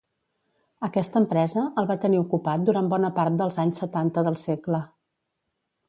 Aquesta empresa el va tenir ocupat durant bona part dels anys setanta del segle.